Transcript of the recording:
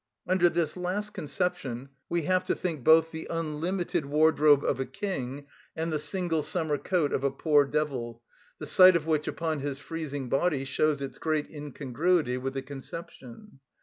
Under this last conception we have to think both the unlimited wardrobe of a king and the single summer coat of a poor devil, the sight of which upon his freezing body shows its great incongruity with the conception.